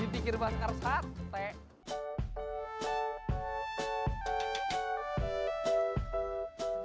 dipikir bahas keras hati